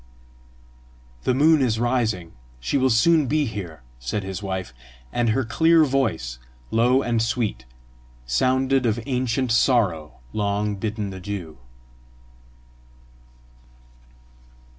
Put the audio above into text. "The moon is rising; she will soon be here," said his wife, and her clear voice, low and sweet, sounded of ancient sorrow long bidden adieu.